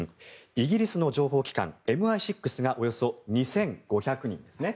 イギリスの情報機関ＭＩ６がおよそ２５００人ですね。